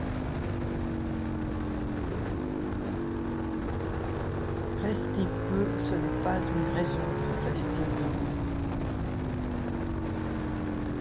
Rester peu, ce n’est pas une raison pour rester debout.